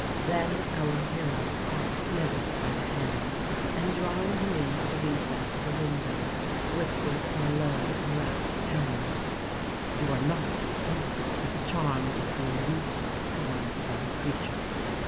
Then our hero caught Smithers by the hand, and drawing him into the recess of a window, whispered in a low and rapid tone, "You are not insensible to the charms of being useful to one's fellow creatures.